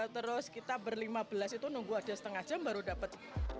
terus kita berlima belas itu nunggu aja setengah jam baru dapat